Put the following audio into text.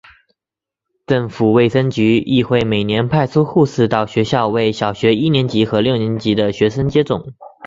政府卫生局亦会每年派出护士到学校为小学一年级和六年级的学生接种。